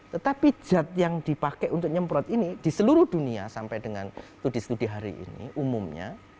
tetapi zat yang dipakai untuk nyemprot ini di seluruh dunia sampai dengan studi studi hari ini umumnya